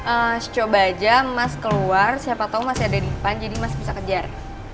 es coba aja mas keluar siapa tau masih ada di depan jadi mas bisa kejar